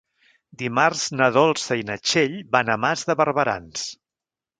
Dimarts na Dolça i na Txell van a Mas de Barberans.